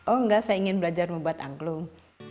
oh enggak saya ingin belajar membuat angklung